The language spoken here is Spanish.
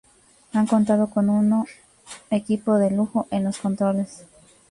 Han contado con uno equipo de lujo en los controles.